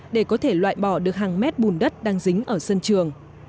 để có thể loại bỏ được hàng mét bùn đất đang dính ở sân trường